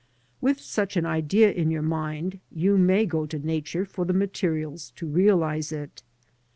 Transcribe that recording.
With such an idea in your mind you may go to Nature for the materials to realise it.